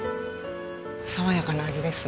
爽やかな味です。